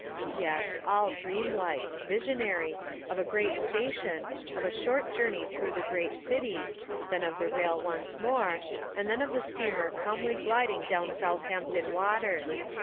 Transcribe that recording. Yes, all dreamlike — visionary — of a great sta tion, of a short journey through the great city, then of the rail once more, and then of the steamer calmly gliding down Southampton Water.